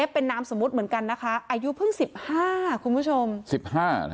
เป็นนามสมมุติเหมือนกันนะคะอายุเพิ่งสิบห้าคุณผู้ชมสิบห้านะ